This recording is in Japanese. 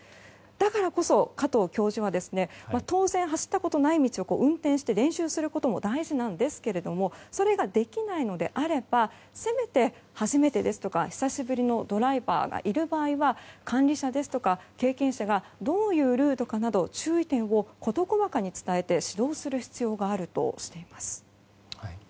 だからこそ、加藤教授は当然、走ったことない道を運転して練習することも大事なんですがそれができないのであればせめて初めてですとか久しぶりのドライバーがいる場合は管理者ですとか経験者がどういうルートかなど注意点を事細かに伝えて指導する必要があるとしています。